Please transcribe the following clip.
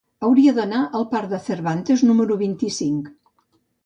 Hauria d'anar al parc de Cervantes número vint-i-cinc.